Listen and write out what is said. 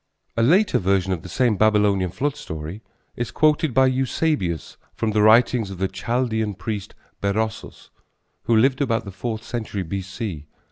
A later version of the same Babylonian flood story is quoted by Eusebius from the writings of the Chaldean priest Berossus who lived about the fourth century B.C.